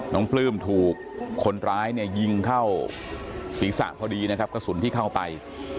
น้องปลื้มถูกคนร้ายยิงเข้าศีรษะพอดีกะสุนที่เข้าไป